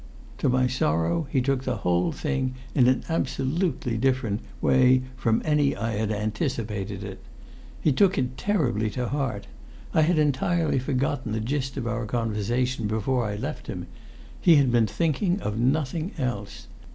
To my sorrow he took the whole thing in an absolutely different way from any that I had anticipated. He took it terribly to heart. I had entirely forgotten the gist of our conversation before I left him; he had been thinking of nothing else.